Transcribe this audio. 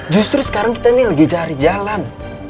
justru sekarang kita nih lagi jari jalan